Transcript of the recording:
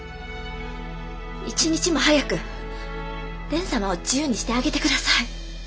一日も早く蓮様を自由にしてあげて下さい。